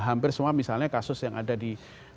hampir semua misalnya kasus yang ada di